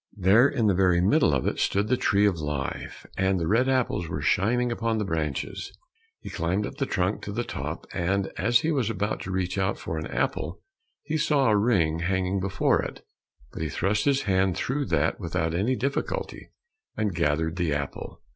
There, in the very middle of it, stood the tree of life, and the red apples were shining upon the branches. He climbed up the trunk to the top, and as he was about to reach out for an apple, he saw a ring hanging before it; but he thrust his hand through that without any difficulty, and gathered the apple.